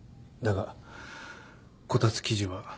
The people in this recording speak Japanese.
だがこたつ記事は。